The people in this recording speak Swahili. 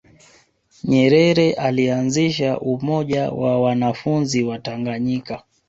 nyerere alianzisha umoja wa wanafunzi wa tanganyika